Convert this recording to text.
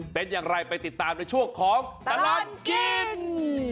เป็นอย่างไรไปติดตามในช่วงของตลอดกิน